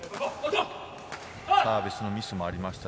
サービスのミスもありました。